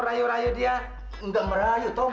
ya perusan pembantu